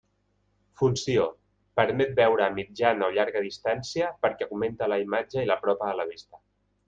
Funció: permet veure a mitjana o llarga distància perquè augmenta la imatge i l'apropa a la vista.